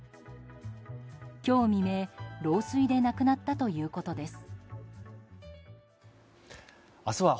今日未明、老衰で亡くなったということです。